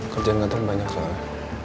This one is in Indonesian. kerjaan ganteng banyak soalnya